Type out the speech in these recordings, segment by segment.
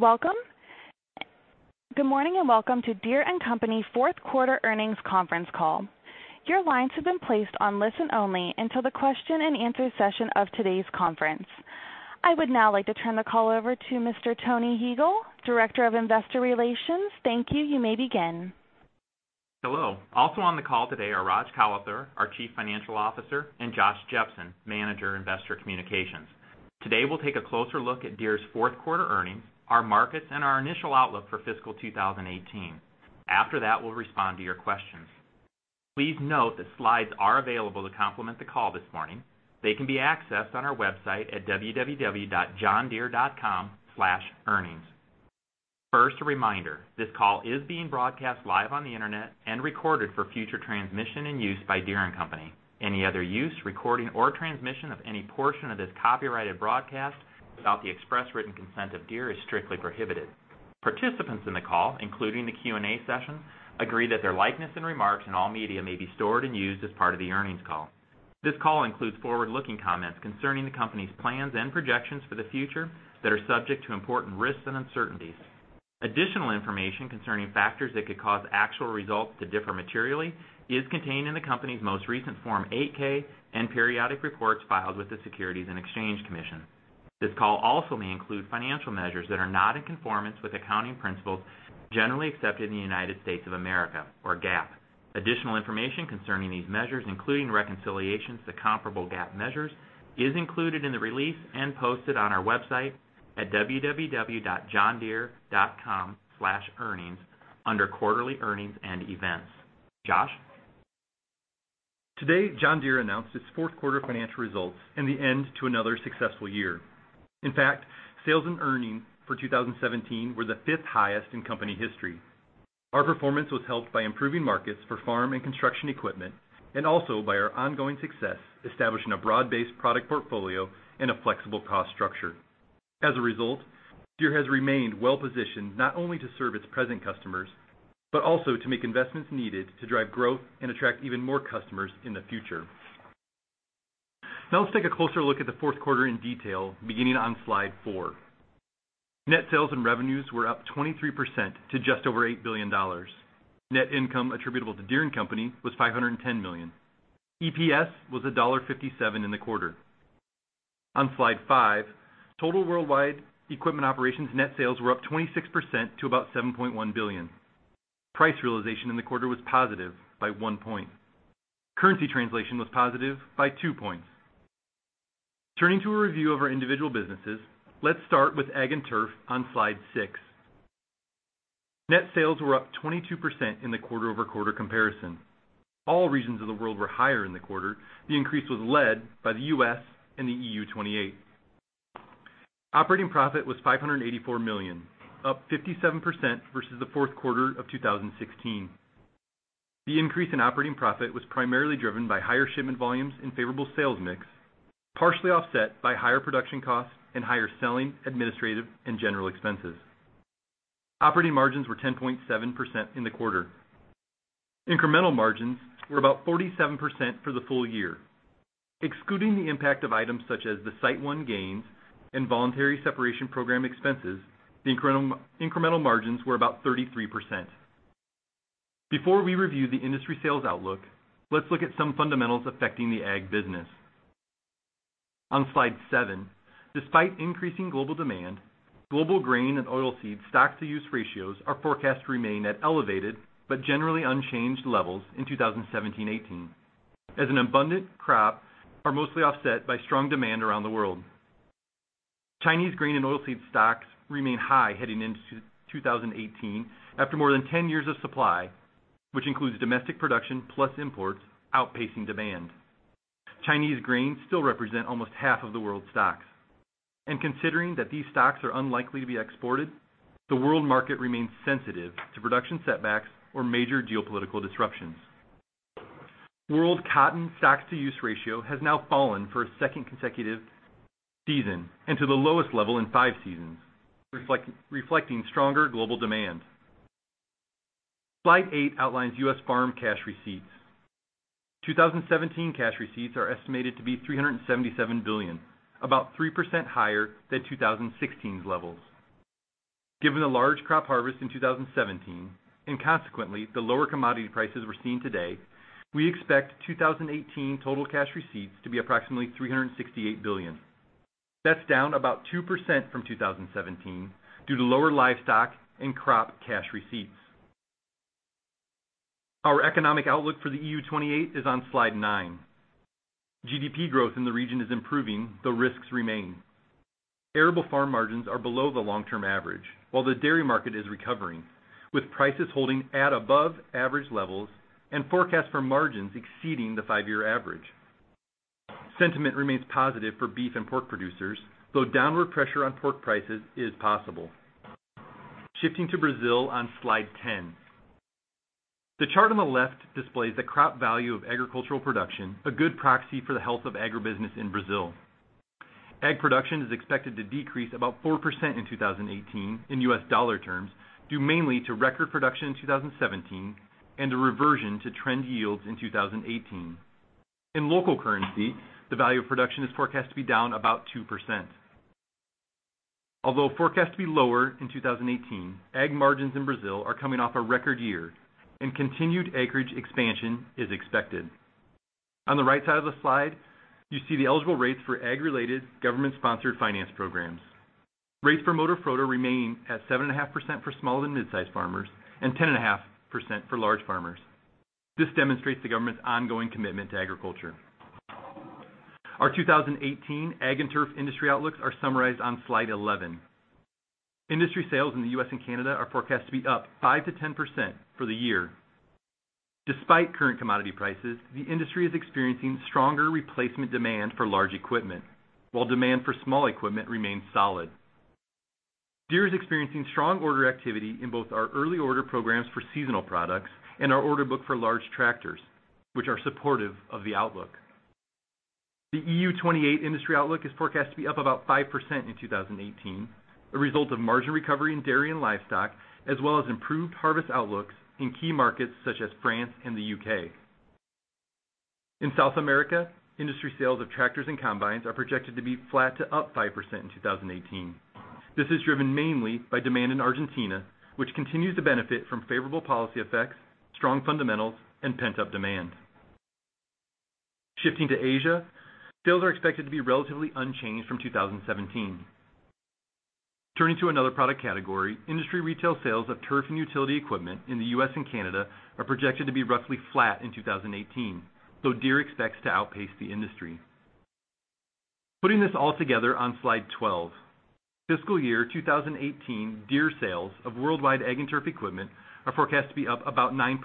Welcome. Good morning, and welcome to Deere & Company fourth quarter earnings conference call. Your lines have been placed on listen only until the question and answer session of today's conference. I would now like to turn the call over to Mr. Tony Huegel, Director of Investor Relations. Thank you. You may begin. Hello. Also on the call today are Raj Kalathur, our Chief Financial Officer, and Josh Jepsen, Manager, Investor Communications. Today, we'll take a closer look at Deere's fourth quarter earnings, our markets, and our initial outlook for fiscal 2018. After that, we'll respond to your questions. Please note that slides are available to complement the call this morning. They can be accessed on our website at www.johndeere.com/earnings. First, a reminder, this call is being broadcast live on the internet and recorded for future transmission and use by Deere & Company. Any other use, recording, or transmission of any portion of this copyrighted broadcast without the express written consent of Deere is strictly prohibited. Participants in the call, including the Q&A session, agree that their likeness and remarks in all media may be stored and used as part of the earnings call. This call includes forward-looking comments concerning the company's plans and projections for the future that are subject to important risks and uncertainties. Additional information concerning factors that could cause actual results to differ materially is contained in the company's most recent Form 8-K and periodic reports filed with the Securities and Exchange Commission. This call also may include financial measures that are not in conformance with accounting principles generally accepted in the United States of America, or GAAP. Additional information concerning these measures, including reconciliations to comparable GAAP measures, is included in the release and posted on our website at www.johndeere.com/earnings under Quarterly Earnings and Events. Josh? Today, John Deere announced its fourth quarter financial results and the end to another successful year. In fact, sales and earnings for 2017 were the fifth highest in company history. Our performance was helped by improving markets for farm and construction equipment, and also by our ongoing success establishing a broad-based product portfolio and a flexible cost structure. As a result, Deere has remained well-positioned not only to serve its present customers, but also to make investments needed to drive growth and attract even more customers in the future. Now let's take a closer look at the fourth quarter in detail, beginning on slide four. Net sales and revenues were up 23% to just over $8 billion. Net income attributable to Deere & Company was $510 million. EPS was $1.57 in the quarter. On slide five, total worldwide equipment operations net sales were up 26% to about $7.1 billion. Price realization in the quarter was positive by one point. Currency translation was positive by two points. Turning to a review of our individual businesses, let's start with Ag and Turf on Slide six. Net sales were up 22% in the quarter-over-quarter comparison. All regions of the world were higher in the quarter. The increase was led by the U.S. and the EU 28. Operating profit was $584 million, up 57% versus the fourth quarter of 2016. The increase in operating profit was primarily driven by higher shipment volumes and favorable sales mix, partially offset by higher production costs and higher selling, administrative, and general expenses. Operating margins were 10.7% in the quarter. Incremental margins were about 47% for the full year. Excluding the impact of items such as the SiteOne gains and voluntary separation program expenses, the incremental margins were about 33%. Before we review the industry sales outlook, let's look at some fundamentals affecting the Ag business. On slide seven, despite increasing global demand, global grain and oil seed stocks-to-use ratios are forecast to remain at elevated but generally unchanged levels in 2017/2018, as an abundant crop are mostly offset by strong demand around the world. Chinese grain and oil seed stocks remain high heading into 2018 after more than 10 years of supply, which includes domestic production plus imports outpacing demand. Chinese grain still represent almost half of the world's stocks. Considering that these stocks are unlikely to be exported, the world market remains sensitive to production setbacks or major geopolitical disruptions. World cotton stocks to use ratio has now fallen for a second consecutive season and to the lowest level in five seasons, reflecting stronger global demand. Slide eight outlines U.S. farm cash receipts. 2017 cash receipts are estimated to be $377 billion, about 3% higher than 2016's levels. Given the large crop harvest in 2017, and consequently, the lower commodity prices we're seeing today, we expect 2018 total cash receipts to be approximately $368 billion. That's down about 2% from 2017 due to lower livestock and crop cash receipts. Our economic outlook for the EU 28 is on slide nine. GDP growth in the region is improving, though risks remain. Arable farm margins are below the long-term average, while the dairy market is recovering, with prices holding at above average levels and forecast for margins exceeding the five-year average. Sentiment remains positive for beef and pork producers, though downward pressure on pork prices is possible. Shifting to Brazil on Slide 10. The chart on the left displays the crop value of agricultural production, a good proxy for the health of agribusiness in Brazil. Ag production is expected to decrease about 4% in 2018 in U.S. dollar terms, due mainly to record production in 2017 and a reversion to trend yields in 2018. In local currency, the value of production is forecast to be down about 2%. Although forecast to be lower in 2018, Ag margins in Brazil are coming off a record year, and continued acreage expansion is expected. On the right side of the slide, you see the eligible rates for Ag-related government-sponsored finance programs. Rates for Moderfrota remain at 7.5% for small and mid-size farmers, and 10.5% for large farmers. This demonstrates the government's ongoing commitment to agriculture. Our 2018 Ag and Turf industry outlooks are summarized on slide 11. Industry sales in the U.S. and Canada are forecast to be up 5%-10% for the year. Despite current commodity prices, the industry is experiencing stronger replacement demand for large equipment, while demand for small equipment remains solid. Deere is experiencing strong order activity in both our early order programs for seasonal products and our order book for large tractors, which are supportive of the outlook. The EU 28 industry outlook is forecast to be up about 5% in 2018, a result of margin recovery in dairy and livestock, as well as improved harvest outlooks in key markets such as France and the U.K. In South America, industry sales of tractors and combines are projected to be flat to up 5% in 2018. This is driven mainly by demand in Argentina, which continues to benefit from favorable policy effects, strong fundamentals, and pent-up demand. Shifting to Asia, sales are expected to be relatively unchanged from 2017. Turning to another product category, industry retail sales of turf and utility equipment in the U.S. and Canada are projected to be roughly flat in 2018, though Deere expects to outpace the industry. Putting this all together on slide 12, fiscal year 2018 Deere sales of worldwide Ag and Turf equipment are forecast to be up about 9%,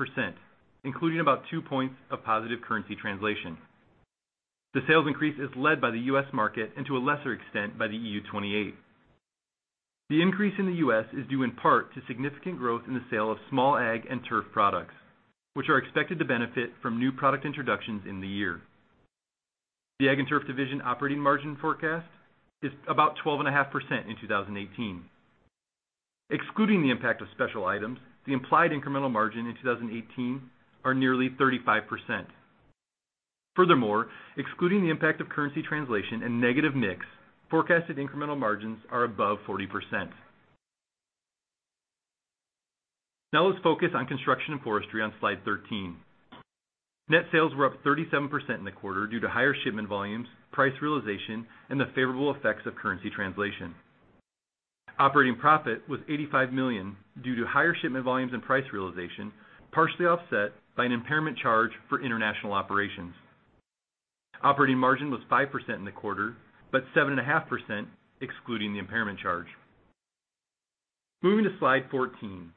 including about two points of positive currency translation. The sales increase is led by the U.S. market, and to a lesser extent, by the EU 28. The increase in the U.S. is due in part to significant growth in the sale of small Ag and Turf products, which are expected to benefit from new product introductions in the year. The Ag and Turf Division operating margin forecast is about 12.5% in 2018. Excluding the impact of special items, the implied incremental margin in 2018 are nearly 35%. Furthermore, excluding the impact of currency translation and negative mix, forecasted incremental margins are above 40%. Now let's focus on Construction and Forestry on slide 13. Net sales were up 37% in the quarter due to higher shipment volumes, price realization, and the favorable effects of currency translation. Operating profit was $85 million due to higher shipment volumes and price realization, partially offset by an impairment charge for international operations. Operating margin was 5% in the quarter, but 7.5% excluding the impairment charge. Moving to slide 14,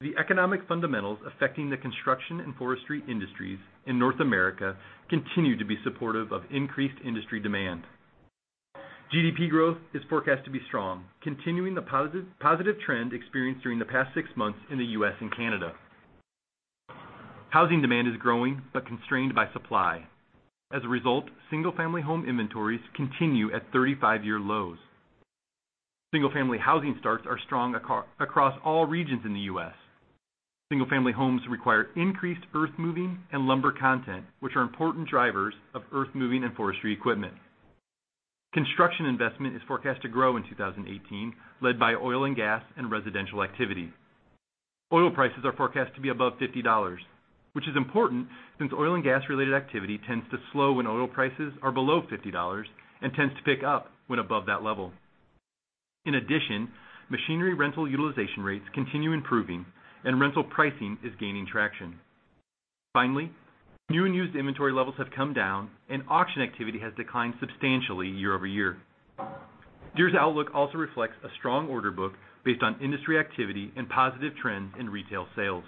the economic fundamentals affecting the Construction and Forestry industries in North America continue to be supportive of increased industry demand. GDP growth is forecast to be strong, continuing the positive trend experienced during the past six months in the U.S. and Canada. Housing demand is growing but constrained by supply. As a result, single-family home inventories continue at 35-year lows. Single-family housing starts are strong across all regions in the U.S. Single-family homes require increased earthmoving and lumber content, which are important drivers of earthmoving and forestry equipment. Construction investment is forecast to grow in 2018, led by oil and gas and residential activity. Oil prices are forecast to be above $50, which is important since oil and gas-related activity tends to slow when oil prices are below $50 and tends to pick up when above that level. In addition, machinery rental utilization rates continue improving, and rental pricing is gaining traction. Finally, new and used inventory levels have come down, and auction activity has declined substantially year-over-year. Deere's outlook also reflects a strong order book based on industry activity and positive trends in retail sales.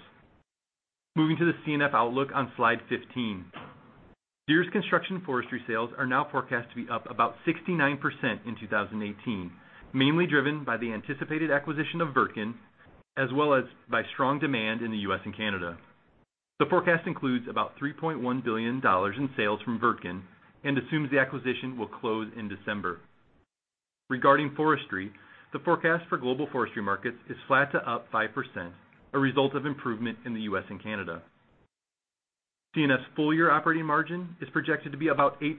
Moving to the C&F outlook on slide 15. Deere's Construction & Forestry sales are now forecast to be up about 69% in 2018, mainly driven by the anticipated acquisition of Wirtgen, as well as by strong demand in the U.S. and Canada. The forecast includes about $3.1 billion in sales from Wirtgen and assumes the acquisition will close in December. Regarding forestry, the forecast for global forestry markets is flat to up 5%, a result of improvement in the U.S. and Canada. C&F's full year operating margin is projected to be about 8%,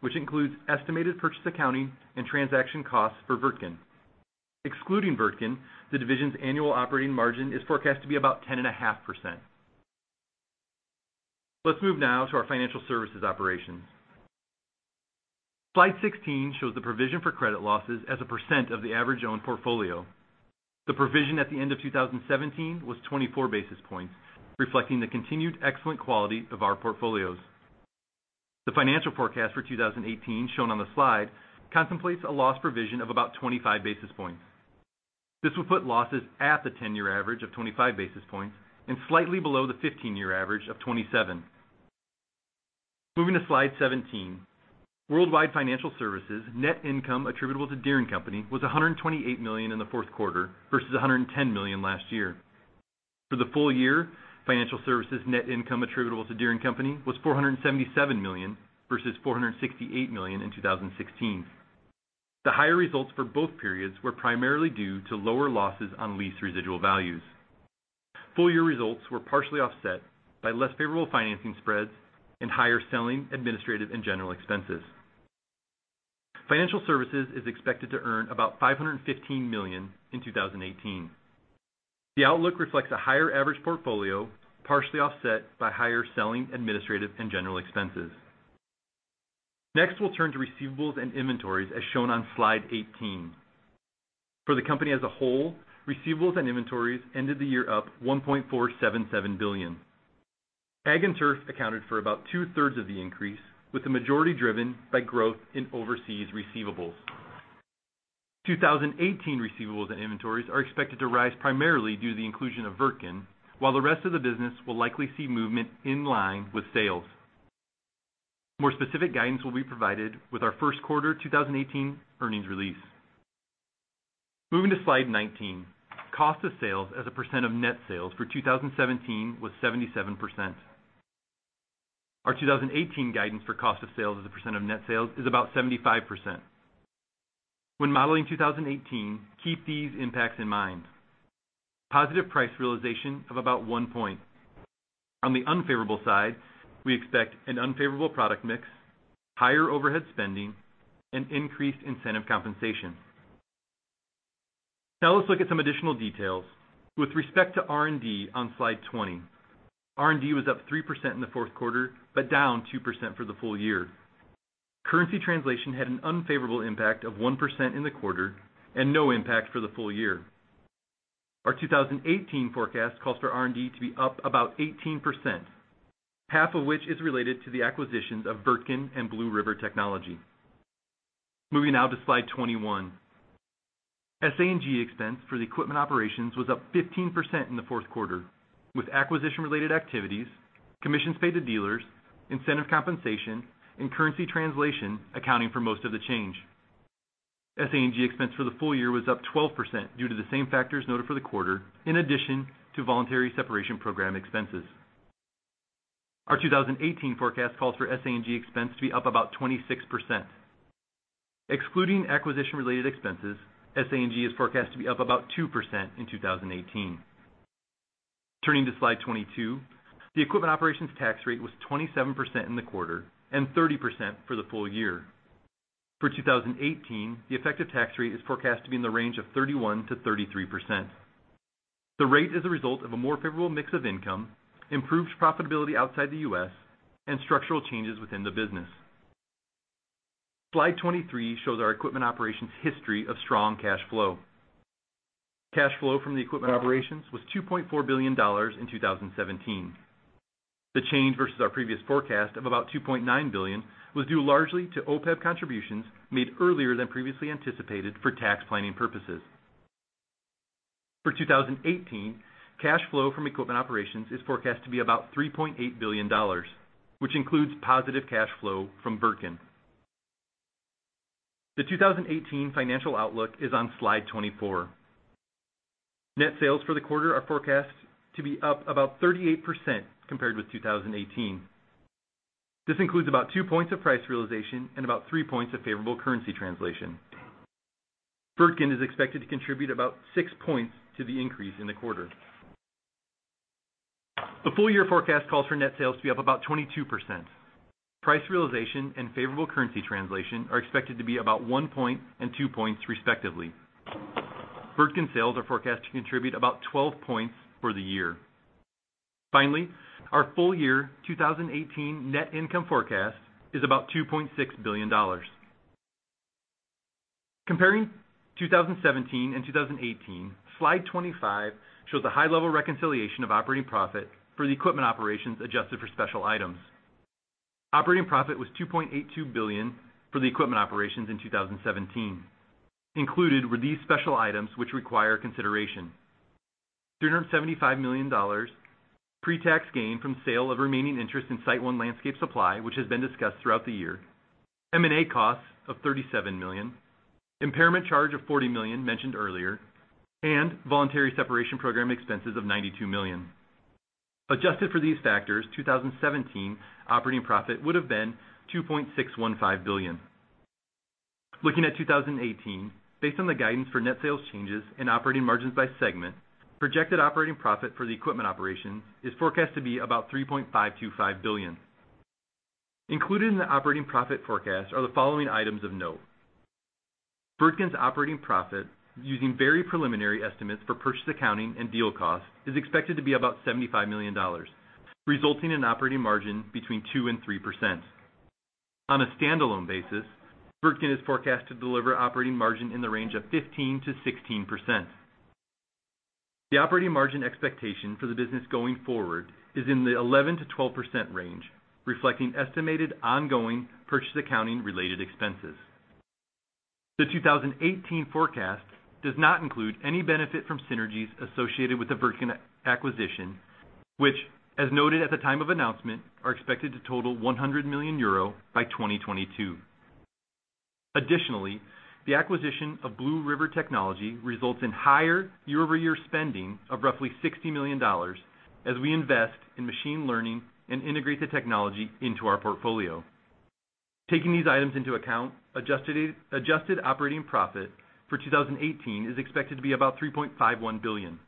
which includes estimated purchase accounting and transaction costs for Wirtgen. Excluding Wirtgen, the division's annual operating margin is forecast to be about 10.5%. Let's move now to our financial services operations. Slide 16 shows the provision for credit losses as a percent of the average own portfolio. The provision at the end of 2017 was 24 basis points, reflecting the continued excellent quality of our portfolios. The financial forecast for 2018 shown on the slide contemplates a loss provision of about 25 basis points. This will put losses at the 10-year average of 25 basis points and slightly below the 15-year average of 27 basis points. Moving to slide 17, worldwide financial services net income attributable to Deere & Company was $128 million in the fourth quarter versus $110 million last year. For the full year, financial services net income attributable to Deere & Company was $477 million versus $468 million in 2016. The higher results for both periods were primarily due to lower losses on lease residual values. Full year results were partially offset by less favorable financing spreads and higher selling, administrative, and general expenses. Financial Services is expected to earn about $515 million in 2018. The outlook reflects a higher average portfolio, partially offset by higher selling, administrative, and general expenses. Next, we'll turn to receivables and inventories as shown on slide 18. For the company as a whole, receivables and inventories ended the year up $1.477 billion. Ag and Turf accounted for about two-thirds of the increase, with the majority driven by growth in overseas receivables. 2018 receivables and inventories are expected to rise primarily due to the inclusion of Wirtgen, while the rest of the business will likely see movement in line with sales. More specific guidance will be provided with our first quarter 2018 earnings release. Moving to slide 19. Cost of sales as a percent of net sales for 2017 was 77%. Our 2018 guidance for cost of sales as a percent of net sales is about 75%. When modeling 2018, keep these impacts in mind. Positive price realization of about one point. On the unfavorable side, we expect an unfavorable product mix, higher overhead spending, and increased incentive compensation. Now let's look at some additional details. With respect to R&D on Slide 20. R&D was up 3% in the fourth quarter, but down 2% for the full year. Currency translation had an unfavorable impact of 1% in the quarter and no impact for the full year. Our 2018 forecast calls for R&D to be up about 18%, half of which is related to the acquisitions of Wirtgen and Blue River Technology. Moving now to slide 21. SA&G expense for the equipment operations was up 15% in the fourth quarter, with acquisition-related activities, commissions paid to dealers, incentive compensation, and currency translation accounting for most of the change. SA&G expense for the full year was up 12% due to the same factors noted for the quarter, in addition to voluntary separation program expenses. Our 2018 forecast calls for SA&G expense to be up about 26%. Excluding acquisition-related expenses, SA&G is forecast to be up about 2% in 2018. Turning to slide 22. The equipment operations tax rate was 27% in the quarter and 30% for the full year. For 2018, the effective tax rate is forecast to be in the range of 31%-33%. The rate is a result of a more favorable mix of income, improved profitability outside the U.S., and structural changes within the business. Slide 23 shows our equipment operations history of strong cash flow. Cash flow from the equipment operations was $2.4 billion in 2017. The change versus our previous forecast of about $2.9 billion was due largely to OPEB contributions made earlier than previously anticipated for tax planning purposes. For 2018, cash flow from equipment operations is forecast to be about $3.8 billion, which includes positive cash flow from Wirtgen. The 2018 financial outlook is on slide 24. Net sales for the quarter are forecast to be up about 38% compared with 2018. This includes about two points of price realization and about three points of favorable currency translation. Wirtgen is expected to contribute about six points to the increase in the quarter. The full year forecast calls for net sales to be up about 22%. Price realization and favorable currency translation are expected to be about one point and two points, respectively. Wirtgen sales are forecast to contribute about 12 points for the year. Finally, our full year 2018 net income forecast is about $2.6 billion. Comparing 2017 and 2018, slide 25 shows a high-level reconciliation of operating profit for the equipment operations adjusted for special items. Operating profit was $2.82 billion for the equipment operations in 2017. Included were these special items which require consideration. $375 million, pre-tax gain from sale of remaining interest in SiteOne Landscape Supply, which has been discussed throughout the year. M&A costs of $37 million, impairment charge of $40 million mentioned earlier, and voluntary separation program expenses of $92 million. Adjusted for these factors, 2017 operating profit would have been $2.615 billion. Looking at 2018, based on the guidance for net sales changes and operating margins by segment, projected operating profit for the equipment operations is forecast to be about $3.525 billion. Included in the operating profit forecast are the following items of note. Wirtgen's operating profit, using very preliminary estimates for purchase accounting and deal cost, is expected to be about $75 million, resulting in operating margin between 2%-3%. On a standalone basis, Wirtgen is forecast to deliver operating margin in the range of 15%-16%. The operating margin expectation for the business going forward is in the 11%-12% range, reflecting estimated ongoing purchase accounting-related expenses. The 2018 forecast does not include any benefit from synergies associated with the Wirtgen acquisition, which, as noted at the time of announcement, are expected to total €100 million by 2022. Additionally, the acquisition of Blue River Technology results in higher year-over-year spending of roughly $60 million as we invest in machine learning and integrate the technology into our portfolio. Taking these items into account, adjusted operating profit for 2018 is expected to be about $3.51 billion.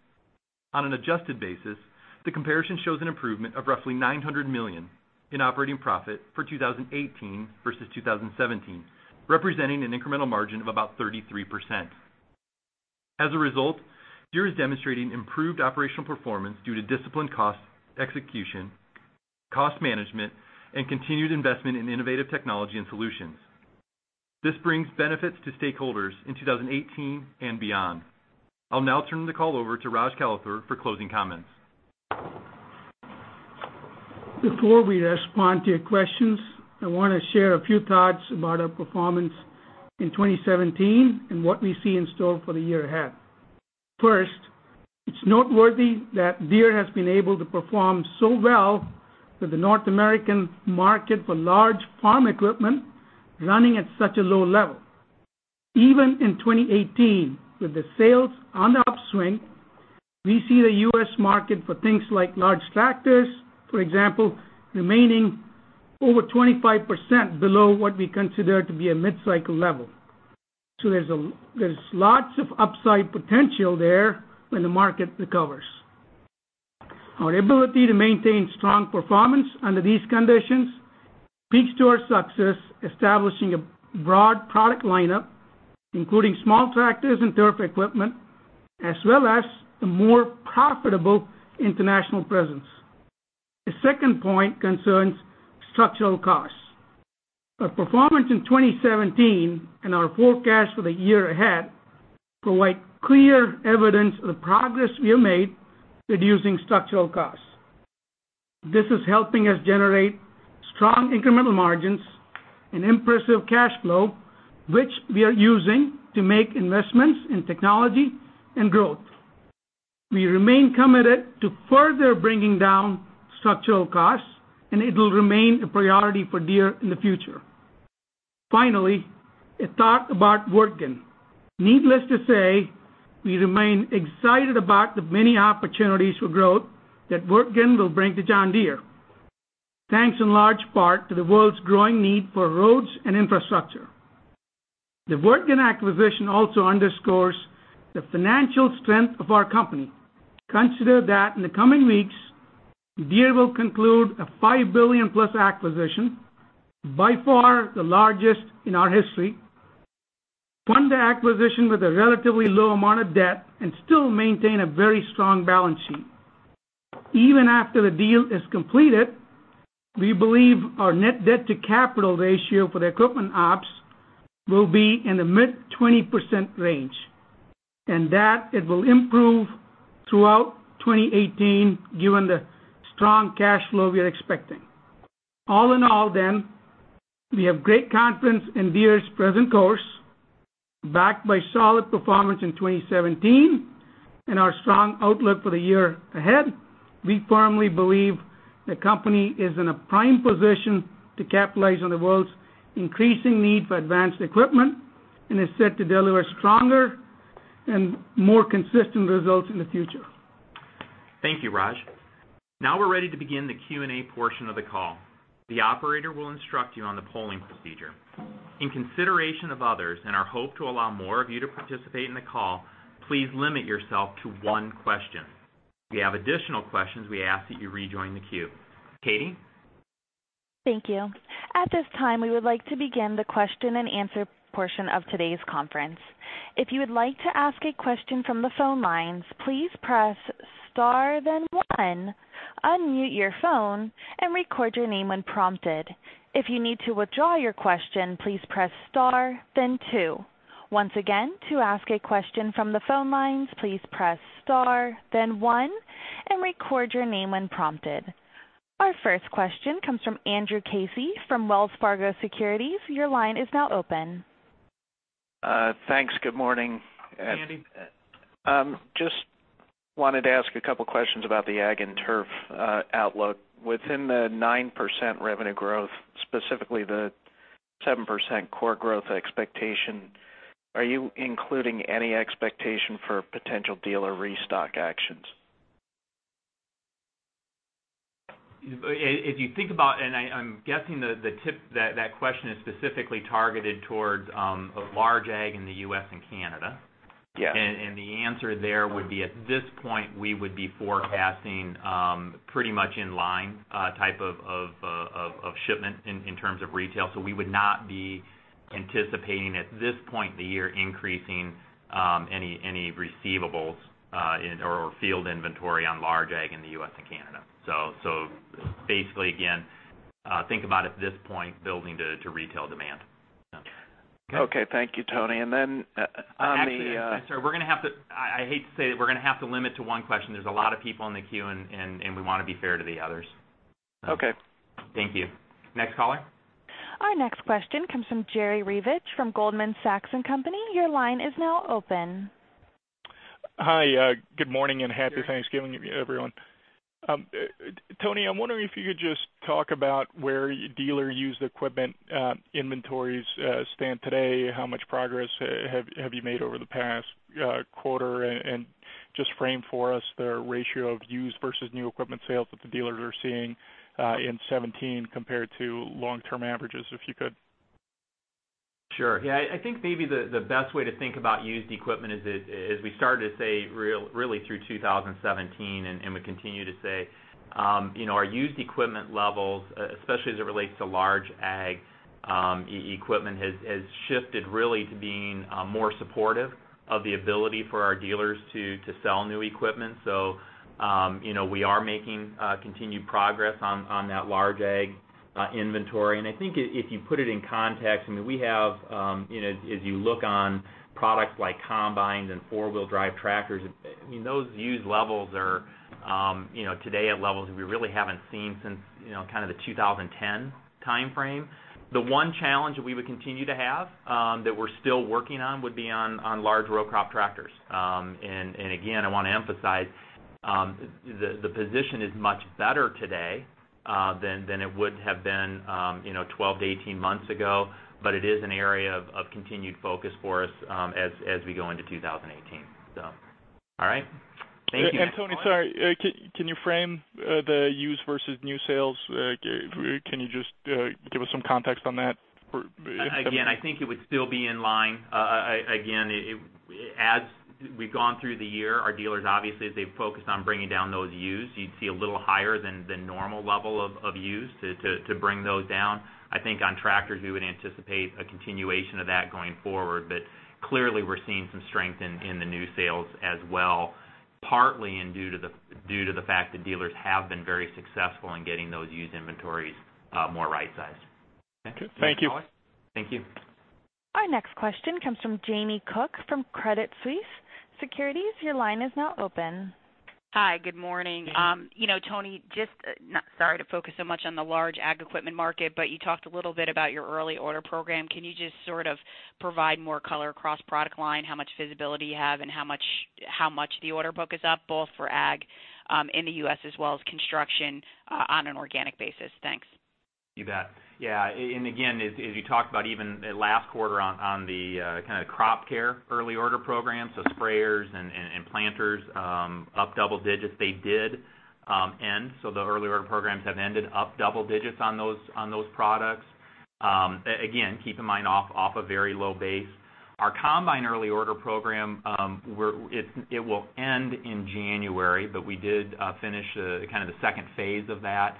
On an adjusted basis, the comparison shows an improvement of roughly $900 million in operating profit for 2018 versus 2017, representing an incremental margin of about 33%. As a result, Deere is demonstrating improved operational performance due to disciplined cost execution, cost management, and continued investment in innovative technology and solutions. This brings benefits to stakeholders in 2018 and beyond. I'll now turn the call over to Raj Kalathur for closing comments. Before we respond to your questions, I want to share a few thoughts about our performance in 2017 and what we see in store for the year ahead. First, it's noteworthy that Deere has been able to perform so well with the North American market for large farm equipment running at such a low level. Even in 2018, with the sales on the upswing, we see the U.S. market for things like large tractors, for example, remaining over 25% below what we consider to be a mid-cycle level. There's lots of upside potential there when the market recovers. Our ability to maintain strong performance under these conditions speaks to our success establishing a broad product lineup, including small tractors and turf equipment, as well as the more profitable international presence. The second point concerns structural costs. Our performance in 2017 and our forecast for the year ahead provide clear evidence of the progress we have made reducing structural costs. This is helping us generate strong incremental margins and impressive cash flow, which we are using to make investments in technology and growth. It will remain a priority for Deere in the future. Finally, a thought about Wirtgen. Needless to say, we remain excited about the many opportunities for growth that Wirtgen will bring to John Deere, thanks in large part to the world's growing need for roads and infrastructure. The Wirtgen acquisition also underscores the financial strength of our company. Consider that in the coming weeks, Deere will conclude a $5 billion-plus acquisition, by far the largest in our history, fund the acquisition with a relatively low amount of debt and still maintain a very strong balance sheet. Even after the deal is completed, we believe our net debt to capital ratio for the equipment ops will be in the mid-20% range, that it will improve throughout 2018 given the strong cash flow we're expecting. All in all then, we have great confidence in Deere's present course, backed by solid performance in 2017 and our strong outlook for the year ahead. We firmly believe the company is in a prime position to capitalize on the world's increasing need for advanced equipment and is set to deliver stronger and more consistent results in the future. Thank you, Raj. Now we're ready to begin the Q&A portion of the call. The operator will instruct you on the polling procedure. In consideration of others and our hope to allow more of you to participate in the call, please limit yourself to one question. If you have additional questions, we ask that you rejoin the queue. Katie? Thank you. At this time, we would like to begin the question and answer portion of today's conference. If you would like to ask a question from the phone lines, please press star then one, unmute your phone, and record your name when prompted. If you need to withdraw your question, please press star then two. Once again, to ask a question from the phone lines, please press star then one, and record your name when prompted. Our first question comes from Andrew Casey from Wells Fargo Securities. Your line is now open. Thanks. Good morning. Andy. Just wanted to ask a couple questions about the ag and turf outlook. Within the 9% revenue growth, specifically the 7% core growth expectation, are you including any expectation for potential dealer restock actions? If you think about, I'm guessing that question is specifically targeted towards large Ag in the U.S. and Canada. Yes. The answer there would be, at this point, we would be forecasting pretty much in line type of shipment in terms of retail. We would not be anticipating at this point in the year increasing any receivables or field inventory on large Ag in the U.S. and Canada. Basically, again, think about at this point building to retail demand. Okay. Thank you, Tony. Then on the- Actually, sir, I hate to say it. We're going to have to limit to one question. There's a lot of people in the queue, and we want to be fair to the others. Okay. Thank you. Next caller. Our next question comes from Jerry Revich from Goldman Sachs & Co. Your line is now open. Hi, good morning and happy Thanksgiving, everyone. Tony, I'm wondering if you could just talk about where dealer used equipment inventories stand today, how much progress have you made over the past quarter, and just frame for us the ratio of used versus new equipment sales that the dealers are seeing in 2017 compared to long-term averages, if you could. Sure. Yeah, I think maybe the best way to think about used equipment is we started to say really through 2017 and we continue to say, our used equipment levels, especially as it relates to large Ag equipment, has shifted really to being more supportive of the ability for our dealers to sell new equipment. We are making continued progress on that large Ag inventory. I think if you put it in context, as you look on products like combines and four-wheel drive tractors, those used levels are today at levels we really haven't seen since kind of the 2010 timeframe. The one challenge that we would continue to have that we're still working on would be on large row crop tractors. Again, I want to emphasize the position is much better today than it would have been 12 to 18 months ago, but it is an area of continued focus for us as we go into 2018. All right. Thank you. Tony, sorry. Can you frame the used versus new sales? Can you just give us some context on that? I think it would still be in line. As we've gone through the year, our dealers, obviously, as they've focused on bringing down those used, you'd see a little higher than normal level of used to bring those down. I think on tractors, we would anticipate a continuation of that going forward. Clearly, we're seeing some strength in the new sales as well, partly due to the fact that dealers have been very successful in getting those used inventories more right-sized. Okay. Thank you. Thank you. Our next question comes from Jamie Cook from Credit Suisse Securities. Your line is now open. Hi. Good morning. Tony, sorry to focus so much on the large Ag equipment market, but you talked a little bit about your early order program. Can you just sort of provide more color cross-product line, how much visibility you have and how much the order book is up, both for Ag in the U.S. as well as construction on an organic basis? Thanks. You bet. Yeah. Again, as you talked about even last quarter on the kind of crop care early order program. Sprayers and planters up double digits. They did end. The early order programs have ended up double digits on those products. Again, keep in mind off a very low base. Our combine early order program, it will end in January, but we did finish kind of the second phase of that.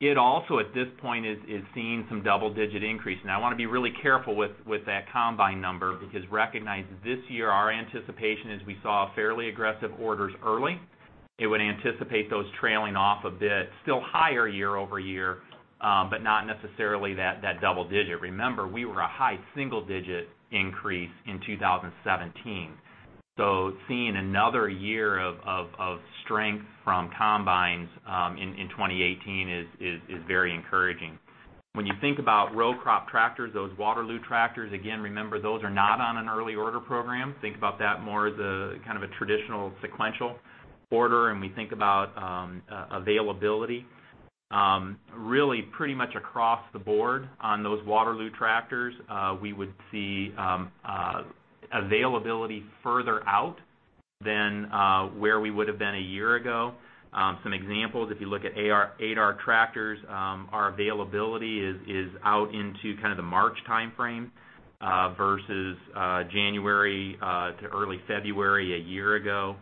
It also, at this point, is seeing some double-digit increase. I want to be really careful with that combine number because recognize this year our anticipation is we saw fairly aggressive orders early. It would anticipate those trailing off a bit, still higher year-over-year, but not necessarily that double digit. Remember, we were a high single-digit increase in 2017. Seeing another year of strength from combines in 2018 is very encouraging. When you think about row crop tractors, those Waterloo tractors, again, remember those are not on an early order program. Think about that more as a kind of a traditional sequential order. We think about availability really pretty much across the board on those Waterloo tractors. We would see availability further out than where we would have been a year ago. Some examples, if you look at 8R tractors, our availability is out into kind of the March timeframe versus January to early February a year ago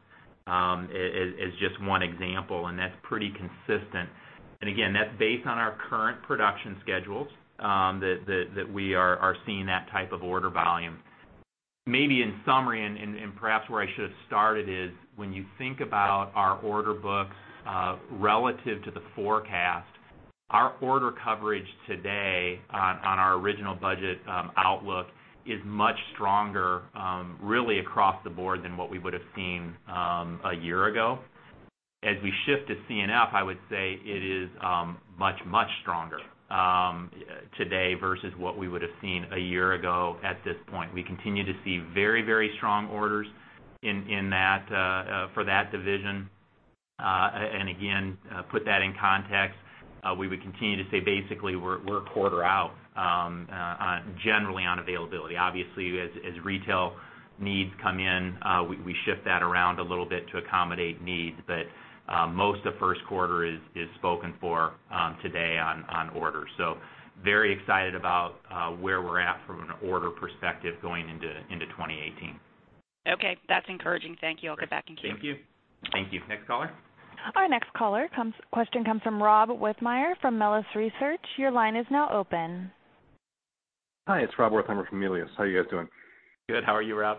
is just one example, and that's pretty consistent. Again, that's based on our current production schedules that we are seeing that type of order volume. Maybe in summary, and perhaps where I should have started is when you think about our order book relative to the forecast, our order coverage today on our original budget outlook is much stronger really across the board than what we would have seen a year ago. As we shift to C&F, I would say it is much, much stronger today versus what we would have seen a year ago at this point. We continue to see very, very strong orders for that division. Again, put that in context, we would continue to say basically we're a quarter out generally on availability. Obviously, as retail needs come in, we shift that around a little bit to accommodate needs. Most of the first quarter is spoken for today on orders. So very excited about where we're at from an order perspective going into 2018. Okay. That's encouraging. Thank you. I'll get back in queue. Thank you. Thank you. Next caller. Our next question comes from Rob Wertheimer from Melius Research. Your line is now open. Hi, it's Rob Wertheimer from Melius. How are you guys doing? Good. How are you, Rob?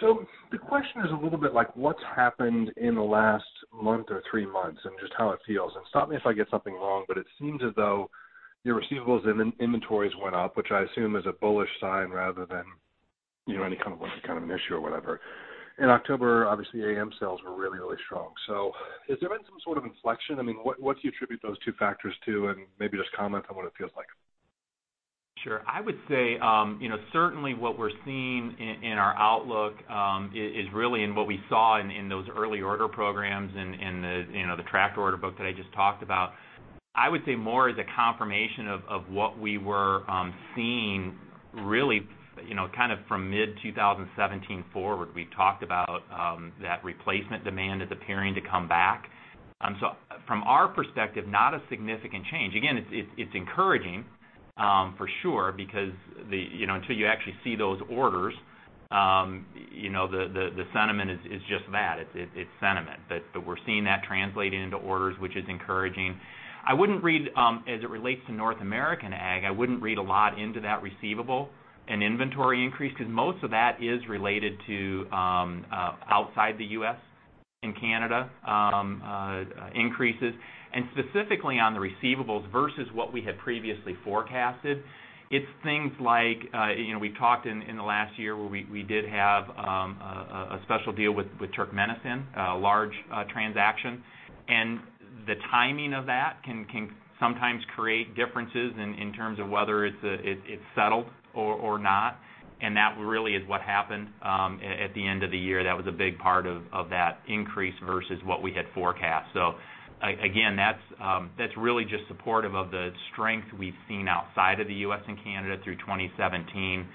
The question is a little bit like what's happened in the last month or three months and just how it feels. Stop me if I get something wrong, but it seems as though your receivables and inventories went up, which I assume is a bullish sign rather than any kind of an issue or whatever. In October, obviously Ag sales were really, really strong. Has there been some sort of inflection? What do you attribute those two factors to, and maybe just comment on what it feels like? Sure. I would say certainly what we're seeing in our outlook is really in what we saw in those early order programs and the tractor order book that I just talked about. I would say more is a confirmation of what we were seeing, really, kind of from mid-2017 forward, we've talked about that replacement demand is appearing to come back. From our perspective, not a significant change. Again, it's encouraging for sure, because until you actually see those orders, the sentiment is just that. It's sentiment. We're seeing that translating into orders, which is encouraging. As it relates to North American Ag, I wouldn't read a lot into that receivable and inventory increase, because most of that is related to outside the U.S. and Canada increases. Specifically on the receivables versus what we had previously forecasted, it's things like we've talked in the last year where we did have a special deal with Turkmenistan, a large transaction. The timing of that can sometimes create differences in terms of whether it's settled or not, and that really is what happened at the end of the year. That was a big part of that increase versus what we had forecast. Again, that's really just supportive of the strength we've seen outside of the U.S. and Canada through 2017.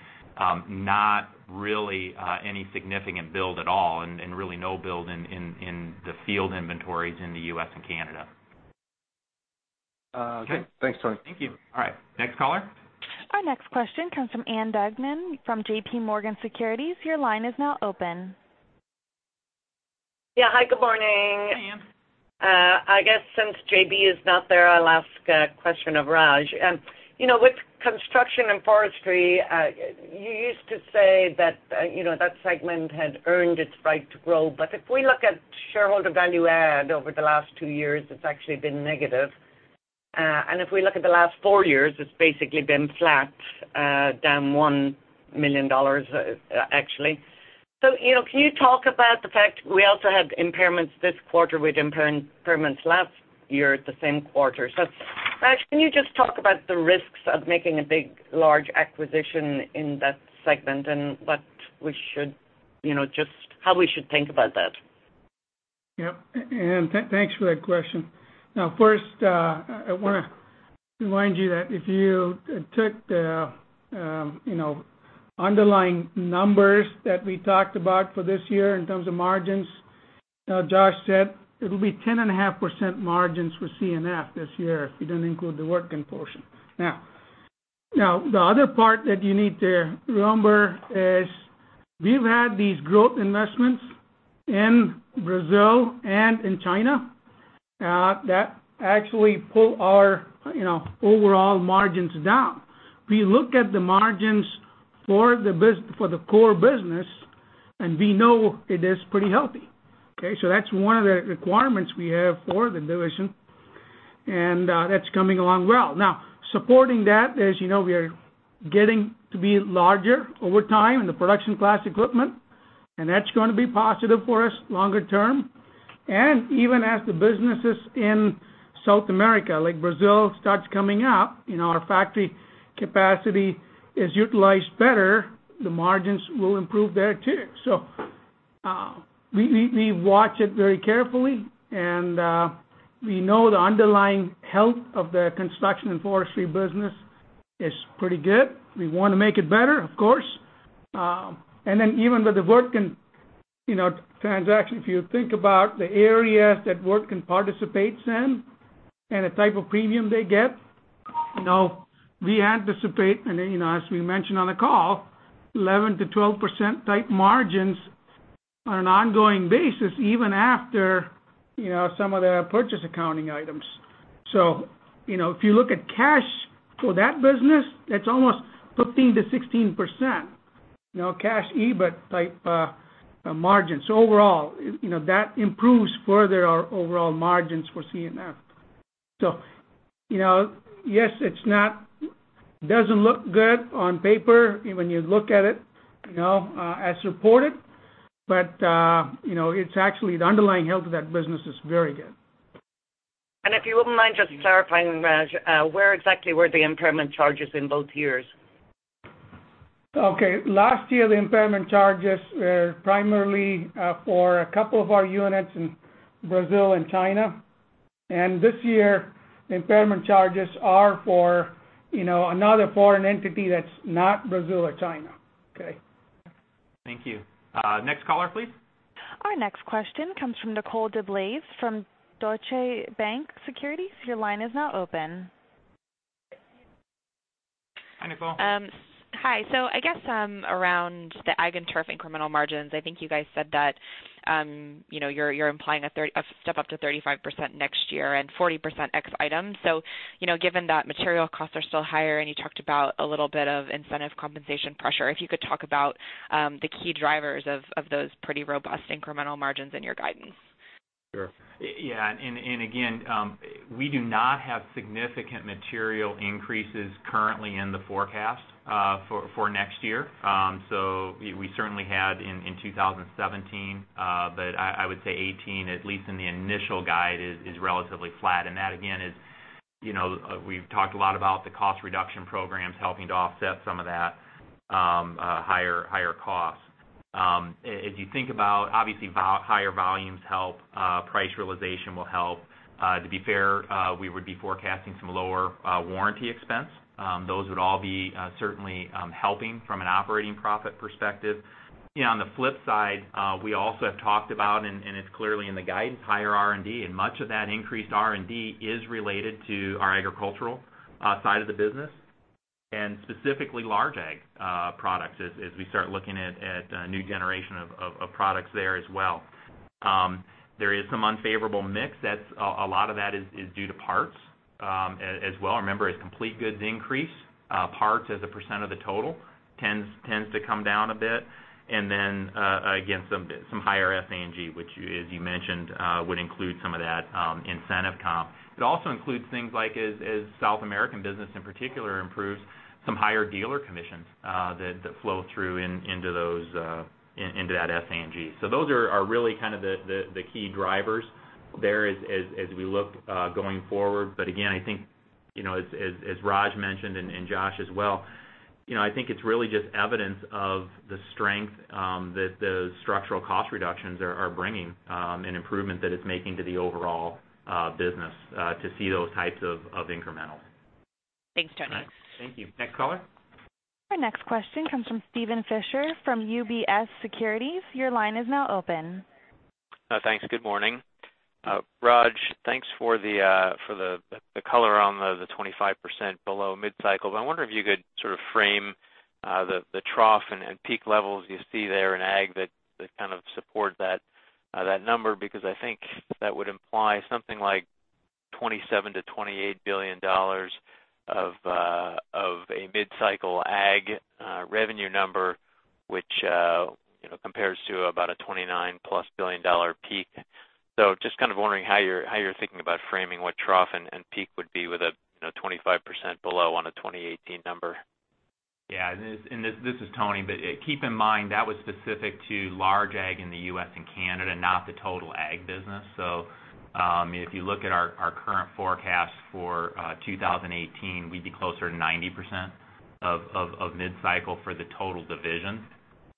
Not really any significant build at all and really no build in the field inventories in the U.S. and Canada. Okay. Thanks, Tony. Thank you. All right, next caller. Our next question comes from Ann Duignan from J.P. Morgan Securities. Your line is now open. Yeah. Hi, good morning. Hey, Ann. I guess since J.B. is not there, I'll ask a question of Raj. With Construction and Forestry, you used to say that segment had earned its right to grow. If we look at shareholder value add over the last two years, it's actually been negative. If we look at the last four years, it's basically been flat, down $1 million, actually. Can you talk about the fact we also had impairments this quarter, we had impairments last year at the same quarter. Raj, can you just talk about the risks of making a big, large acquisition in that segment and just how we should think about that? Yep. Ann, thanks for that question. First, I want to remind you that if you took the underlying numbers that we talked about for this year in terms of margins, Josh said it'll be 10.5% margins for C&F this year if you don't include the Wirtgen portion. The other part that you need to remember is we've had these growth investments in Brazil and in China that actually pull our overall margins down. We look at the margins for the core business, and we know it is pretty healthy. Okay. That's one of the requirements we have for the division, and that's coming along well. Supporting that, as you know, we are getting to be larger over time in the production class equipment, and that's going to be positive for us longer term. Even as the businesses in South America, like Brazil, starts coming up, our factory capacity is utilized better, the margins will improve there too. We watch it very carefully, and we know the underlying health of the construction and forestry business is pretty good. We want to make it better, of course. Even with the Wirtgen transaction, if you think about the areas that Wirtgen participates in and the type of premium they get. We anticipate, and as we mentioned on the call, 11%-12% type margins on an ongoing basis even after some of the purchase accounting items. If you look at cash for that business, that's almost 15%-16%, cash EBIT type margins. Overall, that improves further our overall margins for C&F. Yes, it doesn't look good on paper when you look at it as reported, actually the underlying health of that business is very good. If you wouldn't mind just clarifying, Raj, where exactly were the impairment charges in both years? Okay. Last year, the impairment charges were primarily for a couple of our units in Brazil and China. This year, the impairment charges are for another foreign entity that's not Brazil or China. Okay? Thank you. Next caller, please. Our next question comes from Nicole DeBlase from Deutsche Bank Securities. Your line is now open. Hi, Nicole. Hi. I guess around the Ag and Turf incremental margins, I think you guys said that you're implying a step up to 35% next year and 40% ex items. Given that material costs are still higher and you talked about a little bit of incentive compensation pressure, if you could talk about the key drivers of those pretty robust incremental margins in your guidance. Sure. Yeah. Again, we do not have significant material increases currently in the forecast for next year. We certainly had in 2017. I would say 2018, at least in the initial guide, is relatively flat. That, again, is we've talked a lot about the cost reduction programs helping to offset some of that higher cost. If you think about, obviously, higher volumes help, price realization will help. To be fair, we would be forecasting some lower warranty expense. Those would all be certainly helping from an operating profit perspective. On the flip side, we also have talked about, and it's clearly in the guidance, higher R&D, and much of that increased R&D is related to our agricultural side of the business, and specifically large Ag products, as we start looking at a new generation of products there as well. There is some unfavorable mix. A lot of that is due to parts as well. Remember, as complete goods increase, parts as a percent of the total tends to come down a bit. Then, again, some higher SA&G, which, as you mentioned, would include some of that incentive comp. It also includes things like, as South American business in particular improves, some higher dealer commissions that flow through into that SA&G. Those are really kind of the key drivers there as we look going forward. Again, I think, as Raj mentioned, and Josh as well, I think it's really just evidence of the strength that the structural cost reductions are bringing, and improvement that it's making to the overall business to see those types of incrementals. Thanks, Tony. All right. Thank you. Next caller? Our next question comes from Steven Fisher from UBS Securities. Your line is now open. Thanks. Good morning. Raj, thanks for the color on the 25% below mid-cycle. I wonder if you could sort of frame the trough and peak levels you see there in Ag that kind of support that number, because I think that would imply something like $27 billion-$28 billion of a mid-cycle Ag revenue number, which compares to about a $29+ billion peak. Just kind of wondering how you're thinking about framing what trough and peak would be with a 25% below on a 2018 number. This is Tony, keep in mind, that was specific to large Ag in the U.S. and Canada, not the total Ag business. If you look at our current forecast for 2018, we'd be closer to 90% of mid-cycle for the total division.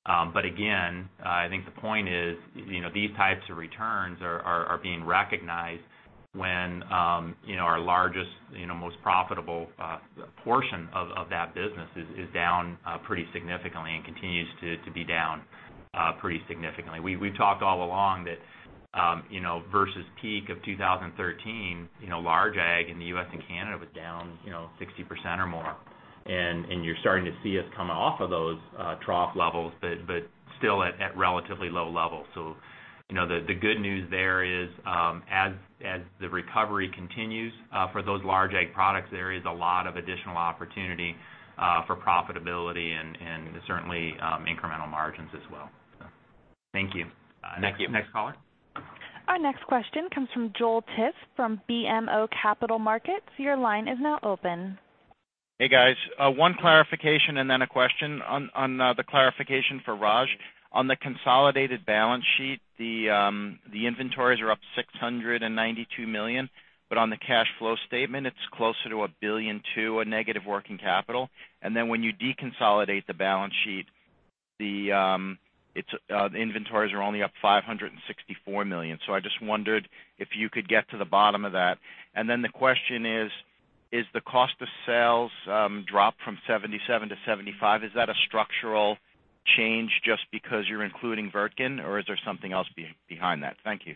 Again, I think the point is, these types of returns are being recognized when our largest, most profitable portion of that business is down pretty significantly and continues to be down pretty significantly. We've talked all along that versus peak of 2013, large Ag in the U.S. and Canada was down 60% or more, and you're starting to see us come off of those trough levels, but still at relatively low levels. The good news there is, as the recovery continues for those large Ag products, there is a lot of additional opportunity for profitability and certainly incremental margins as well. Thank you. Next caller? Our next question comes from Joel Tiss from BMO Capital Markets. Your line is now open. Hey, guys. One clarification and then a question. On the clarification for Raj. On the consolidated balance sheet, the inventories are up $692 million, but on the cash flow statement, it's closer to $1.002 billion, a negative working capital. Then when you deconsolidate the balance sheet, the inventories are only up $564 million. I just wondered if you could get to the bottom of that. Then the question is the cost of sales drop from 77% to 75%, is that a structural change just because you're including Wirtgen, or is there something else behind that? Thank you.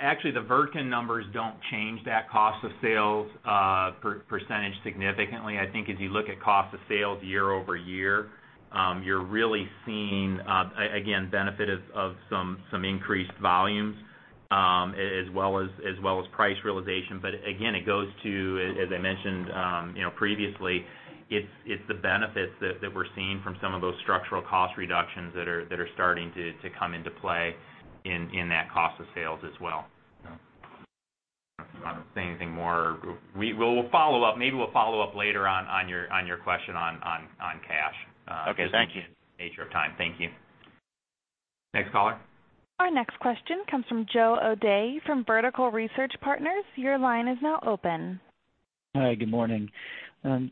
Actually, the Wirtgen numbers don't change that cost of sales % significantly. I think as you look at cost of sales year-over-year, you're really seeing, again, benefit of some increased volumes, as well as price realization. Again, it goes to, as I mentioned previously, it's the benefits that we're seeing from some of those structural cost reductions that are starting to come into play in that cost of sales as well. If you want to say anything more, we will follow up. Maybe we'll follow up later on your question on cash. Okay. Thanks. Just due to the nature of time. Thank you. Next caller? Our next question comes from Joe O'Dea from Vertical Research Partners. Your line is now open. Hi. Good morning.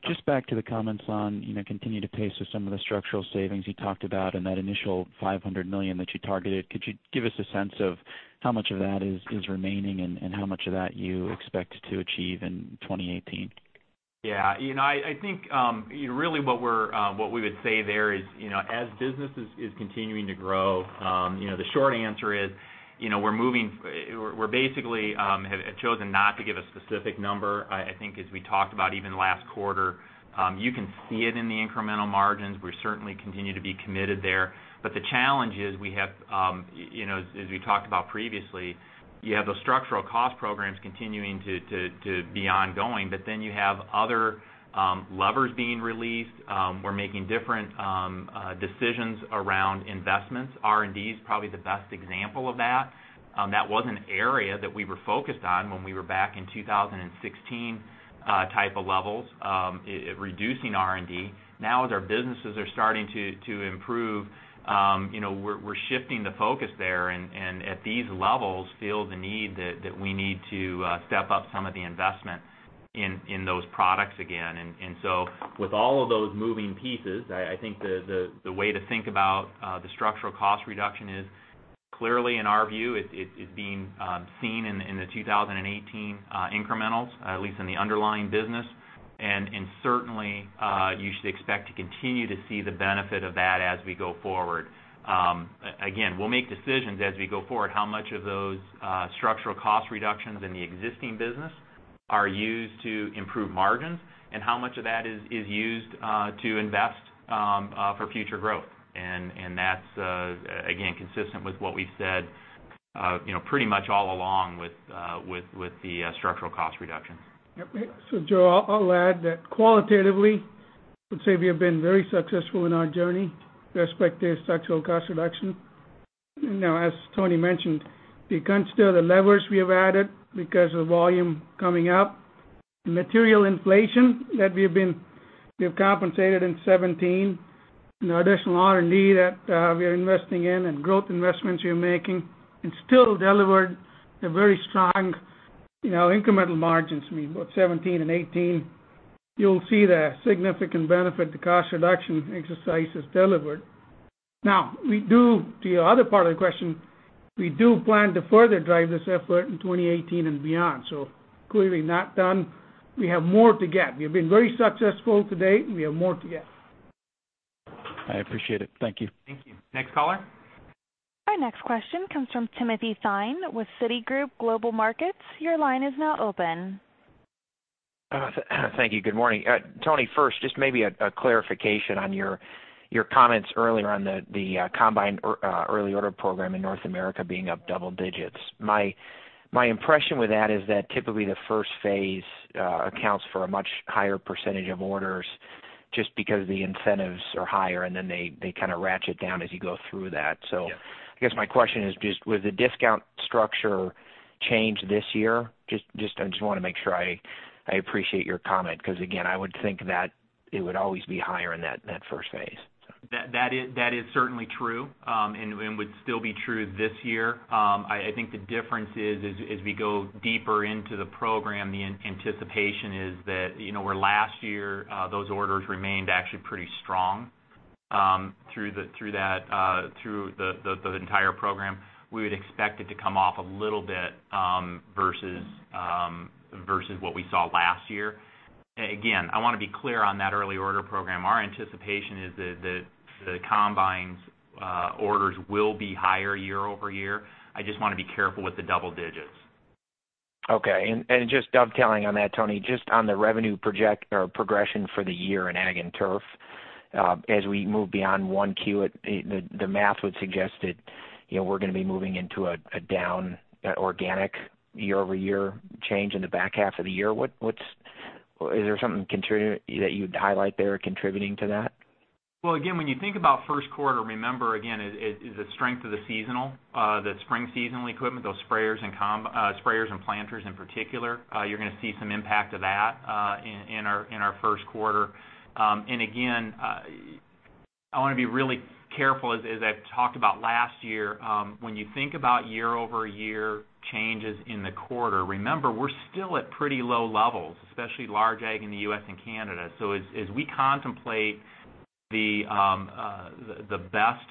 Just back to the comments on continued pace of some of the structural savings you talked about and that initial $500 million that you targeted. Could you give us a sense of how much of that is remaining and how much of that you expect to achieve in 2018? I think really what we would say there is, as business is continuing to grow the short answer is, we're basically have chosen not to give a specific number. I think as we talked about even last quarter, you can see it in the incremental margins. We certainly continue to be committed there. The challenge is, as we talked about previously, you have those structural cost programs continuing to be ongoing, you have other levers being released. We're making different decisions around investments. R&D is probably the best example of that. That was an area that we were focused on when we were back in 2016 type of levels, reducing R&D. As our businesses are starting to improve, we're shifting the focus there and at these levels, feel the need that we need to step up some of the investment in those products again. With all of those moving pieces, I think the way to think about the structural cost reduction is Clearly, in our view, it's being seen in the 2018 incrementals, at least in the underlying business. Certainly, you should expect to continue to see the benefit of that as we go forward. We'll make decisions as we go forward, how much of those structural cost reductions in the existing business are used to improve margins and how much of that is used to invest for future growth. That's, again, consistent with what we said pretty much all along with the structural cost reductions. Joe, I'll add that qualitatively, I would say we have been very successful in our journey with respect to structural cost reduction. As Tony mentioned, if you consider the levers we have added because of volume coming up, material inflation that we have compensated in 2017, additional R&D that we are investing in, and growth investments we are making, and still delivered a very strong incremental margins. I mean, both 2017 and 2018, you'll see the significant benefit the cost reduction exercise has delivered. To your other part of the question, we do plan to further drive this effort in 2018 and beyond. Clearly not done. We have more to get. We have been very successful to date. We have more to get. I appreciate it. Thank you. Thank you. Next caller? Our next question comes from Timothy Thein with Citigroup Global Markets. Your line is now open. Thank you. Good morning. Tony, first, just maybe a clarification on your comments earlier on the combine early order program in North America being up double digits. My impression with that is that typically the first phase accounts for a much higher percentage of orders just because the incentives are higher, and then they kind of ratchet down as you go through that. Yeah. I guess my question is just was the discount structure changed this year? I just want to make sure I appreciate your comment because, again, I would think that it would always be higher in that first phase. That is certainly true and would still be true this year. I think the difference is as we go deeper into the program, the anticipation is that where last year those orders remained actually pretty strong through the entire program, we would expect it to come off a little bit versus what we saw last year. I want to be clear on that early order program. Our anticipation is that the combines orders will be higher year-over-year. I just want to be careful with the double digits. Okay. Just dovetailing on that, Tony, just on the revenue progression for the year in Ag and Turf. As we move beyond 1Q, the math would suggest that we're going to be moving into a down organic year-over-year change in the back half of the year. Is there something that you'd highlight there contributing to that? Well, again, when you think about first quarter, remember, again, is the strength of the seasonal, the spring seasonal equipment, those sprayers and planters in particular. You're going to see some impact of that in our first quarter. Again, I want to be really careful, as I've talked about last year, when you think about year-over-year changes in the quarter, remember, we're still at pretty low levels, especially large Ag in the U.S. and Canada. As we contemplate the best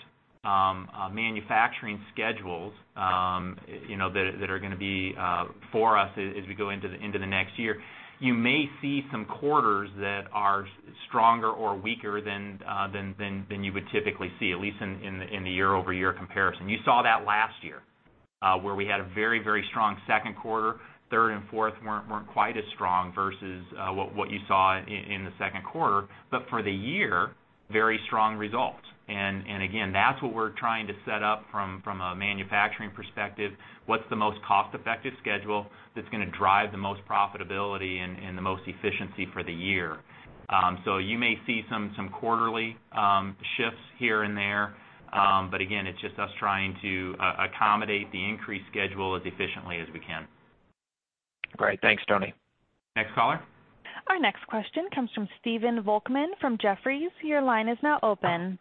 manufacturing schedules that are going to be for us as we go into the next year, you may see some quarters that are stronger or weaker than you would typically see, at least in the year-over-year comparison. You saw that last year where we had a very strong second quarter. Third and fourth weren't quite as strong versus what you saw in the second quarter. For the year, very strong results. Again, that's what we're trying to set up from a manufacturing perspective. What's the most cost-effective schedule that's going to drive the most profitability and the most efficiency for the year? You may see some quarterly shifts here and there. Again, it's just us trying to accommodate the increased schedule as efficiently as we can. Great. Thanks, Tony. Next caller? Our next question comes from Stephen Volkmann from Jefferies. Your line is now open.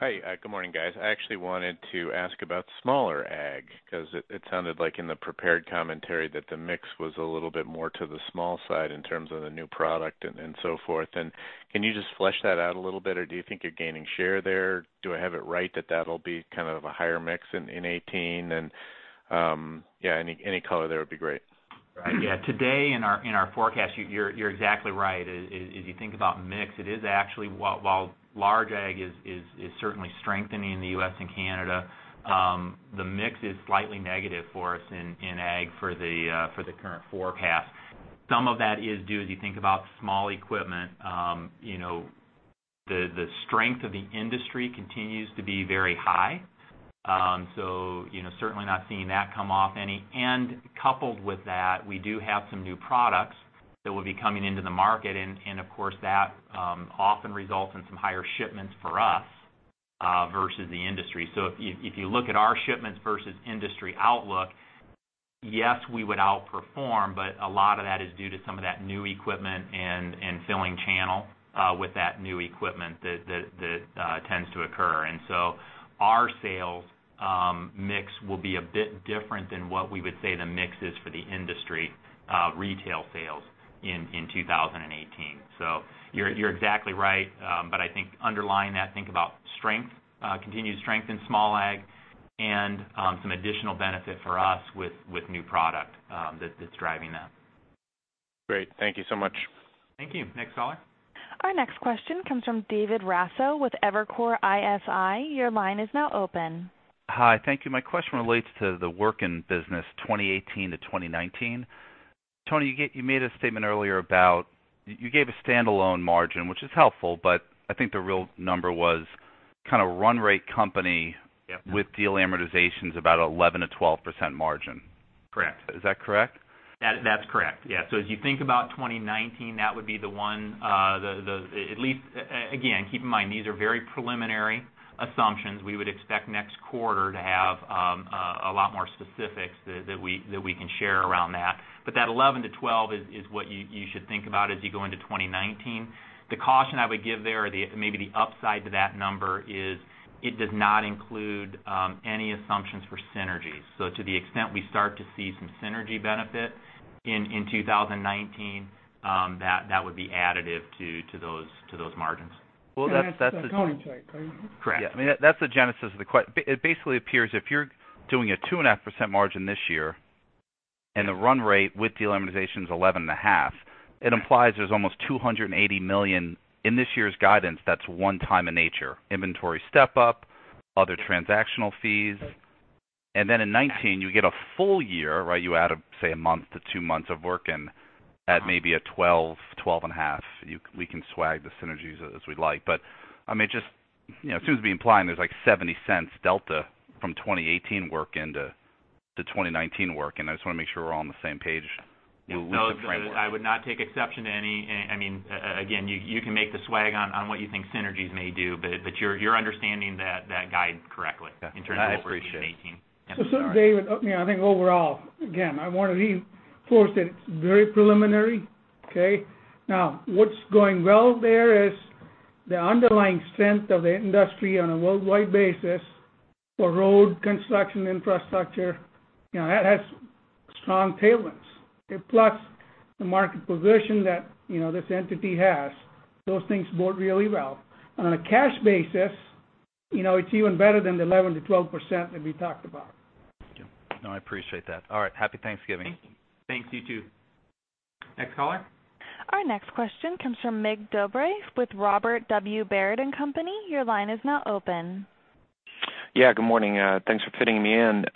Hi. Good morning, guys. I actually wanted to ask about smaller Ag, because it sounded like in the prepared commentary that the mix was a little bit more to the small side in terms of the new product and so forth. Can you just flesh that out a little bit, or do you think you're gaining share there? Do I have it right that that'll be kind of a higher mix in 2018? Yeah, any color there would be great. Yeah. Today in our forecast, you're exactly right. If you think about mix, while large Ag is certainly strengthening in the U.S. and Canada, the mix is slightly negative for us in Ag for the current forecast. Some of that is due as you think about small equipment the strength of the industry continues to be very high. Certainly not seeing that come off any. Coupled with that, we do have some new products that will be coming into the market, and of course, that often results in some higher shipments for us versus the industry. If you look at our shipments versus industry outlook, yes, we would outperform, but a lot of that is due to some of that new equipment and filling channel with that new equipment that tends to occur. Our sales mix will be a bit different than what we would say the mix is for the industry retail sales in 2018. You're exactly right. I think underlying that, think about continued strength in small Ag and some additional benefit for us with new product that's driving that. Great. Thank you so much. Thank you. Next caller. Our next question comes from David Raso with Evercore ISI. Your line is now open. Hi. Thank you. My question relates to the Wirtgen business 2018 to 2019. Tony, you made a statement earlier. You gave a standalone margin, which is helpful, but I think the real number was kind of run rate company- Yep with deal amortizations about 11%-12% margin. Correct. Is that correct? That's correct. Yeah. As you think about 2019, that would be the one. Again, keep in mind, these are very preliminary assumptions. We would expect next quarter to have a lot more specifics that we can share around that. That 11-12 is what you should think about as you go into 2019. The caution I would give there, or maybe the upside to that number, is it does not include any assumptions for synergies. To the extent we start to see some synergy benefit in 2019, that would be additive to those margins. Well, that's That's the guidance, right? Correct. That's the genesis of the quest. It basically appears if you're doing a 2.5% margin this year and the run rate with deal amortization is 11.5%, it implies there's almost $280 million in this year's guidance that's one-time in nature. Inventory step-up, other transactional fees. In 2019, you get a full year, right? You add, say, a month to two months of work in at maybe a 12%, 12.5%. We can swag the synergies as we like. It seems to be implying there's like $0.70 delta from 2018 work into the 2019 work, and I just want to make sure we're all on the same page with the framework. No, I would not take exception to any. Again, you can make the swag on what you think synergies may do, you're understanding that guide correctly in terms of what we're making. I appreciate it. David, I think overall, again, I want to reinforce that it's very preliminary, okay. What's going well there is the underlying strength of the industry on a worldwide basis for road construction infrastructure. That has strong tailwinds. Plus, the market position that this entity has, those things bode really well. On a cash basis, it's even better than the 11%-12% that we talked about. Thank you. No, I appreciate that. All right. Happy Thanksgiving. Thank you. Thanks. You too. Next caller? Our next question comes from Mircea Dobre with Robert W. Baird & Co.. Your line is now open. Good morning. Thanks for fitting me in.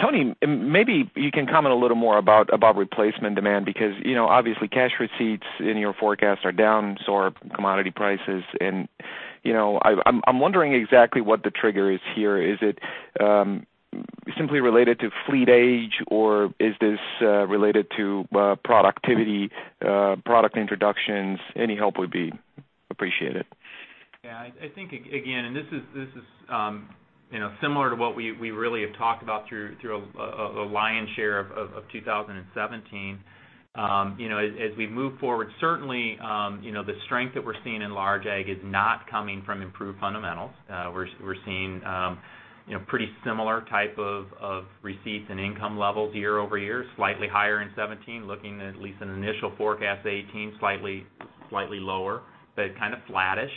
Tony, maybe you can comment a little more about replacement demand because obviously cash receipts in your forecast are down, so are commodity prices. I'm wondering exactly what the trigger is here. Is it simply related to fleet age or is this related to productivity, product introductions? Any help would be appreciated. I think, again, this is similar to what we really have talked about through a lion's share of 2017. As we move forward, certainly the strength that we're seeing in large Ag is not coming from improved fundamentals. We're seeing pretty similar type of receipts and income levels year over year, slightly higher in 2017. Looking at least an initial forecast 2018, slightly lower. Kind of flattish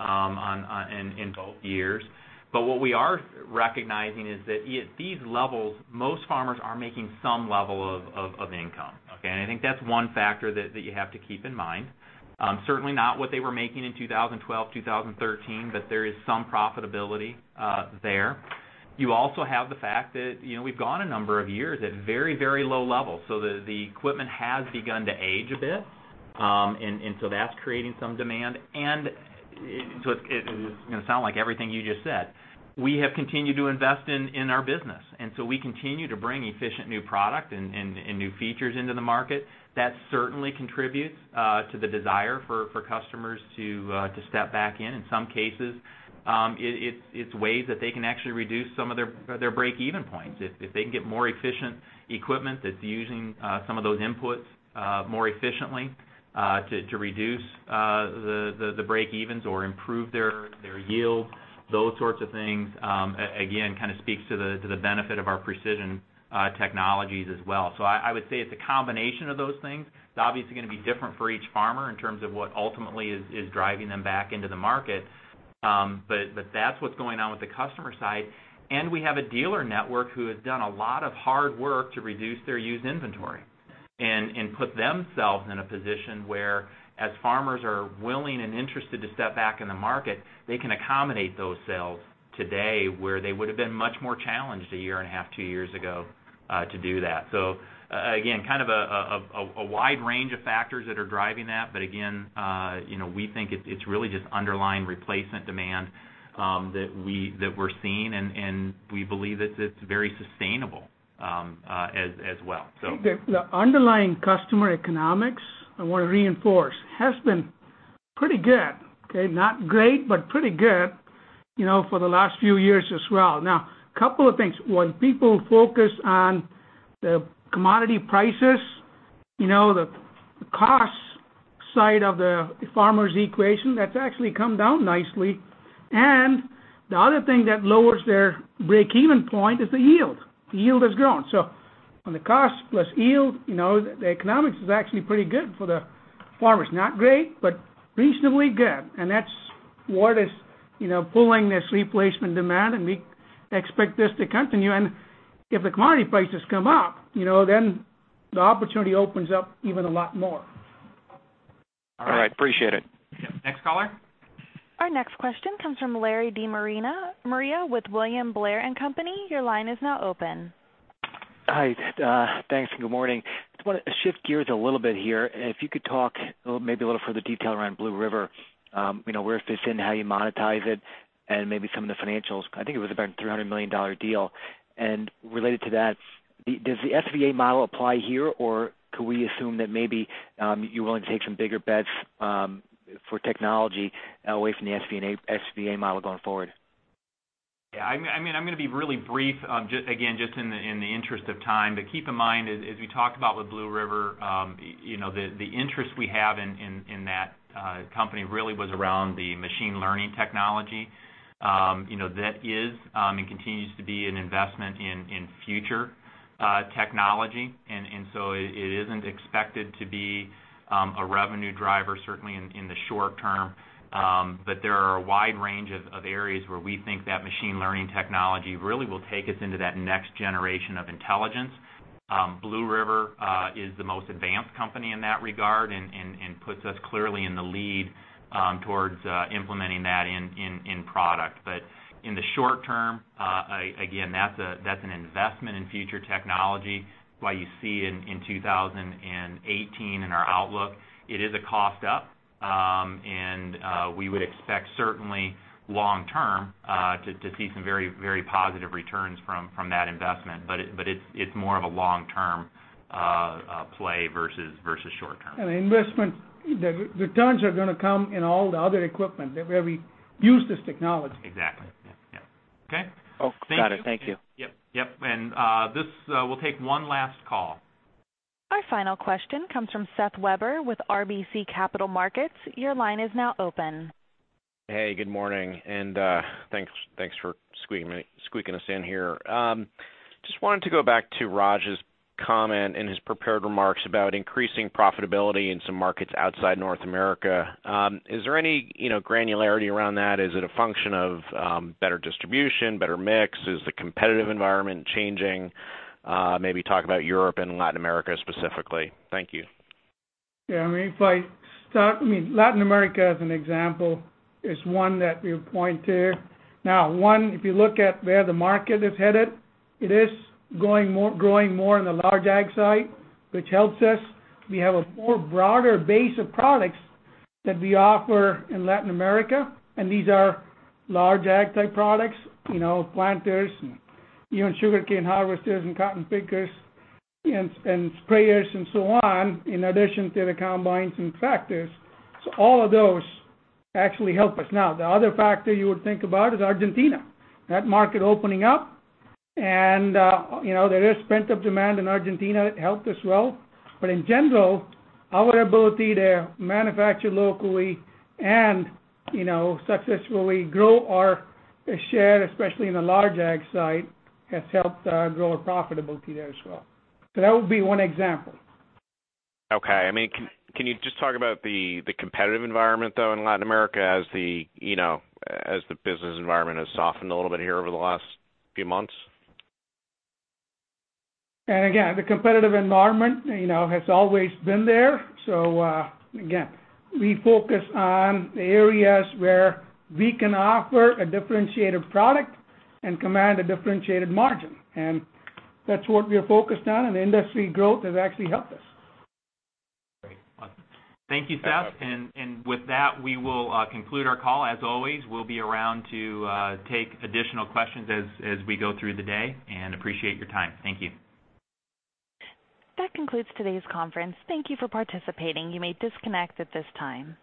in both years. What we are recognizing is that at these levels, most farmers are making some level of income, okay? I think that's one factor that you have to keep in mind. Certainly not what they were making in 2012, 2013, but there is some profitability there. You also have the fact that we've gone a number of years at very low levels, so the equipment has begun to age a bit. That's creating some demand. It's going to sound like everything you just said, we have continued to invest in our business. We continue to bring efficient new product and new features into the market. That certainly contributes to the desire for customers to step back in. In some cases, it's ways that they can actually reduce some of their break-even points. If they can get more efficient equipment that's using some of those inputs more efficiently to reduce the break-evens or improve their yield, those sorts of things, again, kind of speaks to the benefit of our precision technologies as well. I would say it's a combination of those things. It's obviously going to be different for each farmer in terms of what ultimately is driving them back into the market. That's what's going on with the customer side. We have a dealer network who has done a lot of hard work to reduce their used inventory and put themselves in a position where as farmers are willing and interested to step back in the market, they can accommodate those sales today where they would have been much more challenged a year and a half, two years ago to do that. Again, kind of a wide range of factors that are driving that. Again, we think it's really just underlying replacement demand that we're seeing, and we believe that it's very sustainable as well. I think the underlying customer economics, I want to reinforce, has been pretty good. Okay. Not great, but pretty good for the last few years as well. Now, couple of things. One, people focus on the commodity prices. The cost side of the farmer's equation, that's actually come down nicely. The other thing that lowers their break-even point is the yield. The yield has grown. On the cost plus yield, the economics is actually pretty good for the farmers. Not great, but reasonably good. What is pulling this replacement demand? We expect this to continue. If the commodity prices come up, then the opportunity opens up even a lot more. All right. Appreciate it. Yep. Next caller? Our next question comes from Larry De Maria. De Maria, with William Blair & Company, your line is now open. Hi. Thanks, good morning. Just want to shift gears a little bit here. If you could talk maybe a little further detail around Blue River, where it fits in, how you monetize it, and maybe some of the financials. I think it was about a $300 million deal. Related to that, does the SVA model apply here, or could we assume that maybe you're willing to take some bigger bets for technology away from the SVA model going forward? Yeah. I'm going to be really brief, again, just in the interest of time. Keep in mind, as we talked about with Blue River, the interest we have in that company really was around the machine learning technology. That is and continues to be an investment in future technology. It isn't expected to be a revenue driver, certainly in the short term. There are a wide range of areas where we think that machine learning technology really will take us into that next generation of intelligence. Blue River is the most advanced company in that regard and puts us clearly in the lead towards implementing that in product. In the short term, again, that's an investment in future technology. What you see in 2018 in our outlook, it is a cost up. We would expect certainly long term, to see some very positive returns from that investment. It's more of a long-term play versus short term. The investment returns are going to come in all the other equipment where we use this technology. Exactly. Yeah. Okay? Oh, got it. Thank you. Yep. This, we'll take one last call. Our final question comes from Seth Weber with RBC Capital Markets. Your line is now open. Hey, good morning. Thanks for squeaking us in here. Just wanted to go back to Raj's comment in his prepared remarks about increasing profitability in some markets outside North America. Is there any granularity around that? Is it a function of better distribution, better mix? Is the competitive environment changing? Maybe talk about Europe and Latin America specifically. Thank you. Yeah, Latin America, as an example, is one that we point to. One, if you look at where the market is headed, it is growing more in the large Ag side, which helps us. We have a more broader base of products that we offer in Latin America, and these are large Ag type products, planters and even sugarcane harvesters and cotton pickers and sprayers and so on, in addition to the combines and tractors. All of those actually help us. The other factor you would think about is Argentina. That market opening up, and there is pent-up demand in Argentina. It helped us well. In general, our ability to manufacture locally and successfully grow our share, especially in the large Ag side, has helped grow our profitability there as well. That would be one example. Okay. Can you just talk about the competitive environment, though, in Latin America as the business environment has softened a little bit here over the last few months? Again, the competitive environment has always been there. Again, we focus on the areas where we can offer a differentiated product and command a differentiated margin. That's what we're focused on, and industry growth has actually helped us. Great. Awesome. Thank you, Seth. With that, we will conclude our call. As always, we'll be around to take additional questions as we go through the day, and appreciate your time. Thank you. That concludes today's conference. Thank you for participating. You may disconnect at this time.